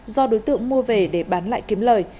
do đối tượng mua về để bán lại kiếm lời